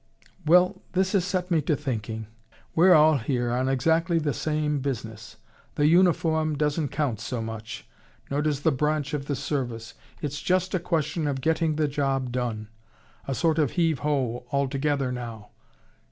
"Well, this has set me to thinking. We're all here on exactly the same business. The uniform doesn't count so much, nor does the branch of the service. It's just a question of getting the job done a sort of 'Heave Ho! All together, now!'